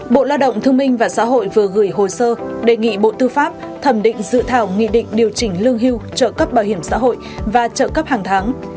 bộ lao động thương minh và xã hội vừa gửi hồ sơ đề nghị bộ tư pháp thẩm định dự thảo nghị định điều chỉnh lương hưu trợ cấp bảo hiểm xã hội và trợ cấp hàng tháng